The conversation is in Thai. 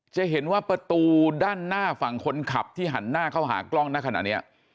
จะเห็นว่าประตูด้านหน้าฝั่งคนขับที่หันหน้าเข้าหากล้องหน้าขณะนี้